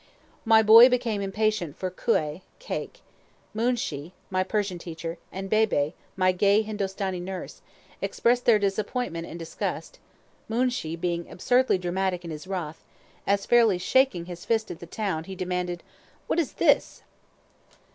My boy became impatient for couay (cake); Moonshee, my Persian teacher, and Beebe, my gay Hindostanee nurse, expressed their disappointment and disgust, Moonshee being absurdly dramatic in his wrath, as, fairly shaking his fist at the town, he demanded, "What is this?"